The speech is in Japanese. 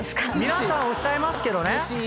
皆さんおっしゃいますけどね。